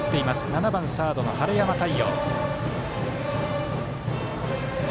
７番サードの晴山太陽。